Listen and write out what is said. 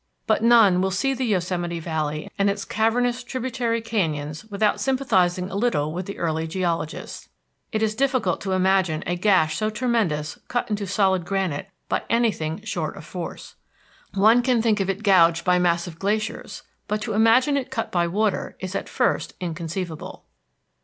But none will see the Yosemite Valley and its cavernous tributary canyons without sympathizing a little with the early geologists. It is difficult to imagine a gash so tremendous cut into solid granite by anything short of force. One can think of it gouged by massive glaciers, but to imagine it cut by water is at first inconceivable.